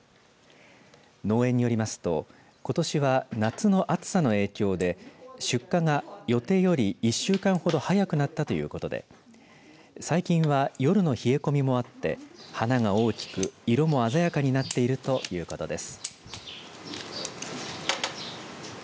農園によりますとことしは夏の暑さの影響で出荷が予定より１週間ほど早くなったということで最近は夜の冷え込みもあって花が大きく色も鮮やかになっているということです。